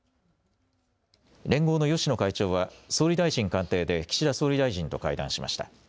連合の芳野会長は総理大臣官邸で岸田総理大臣と会談しました。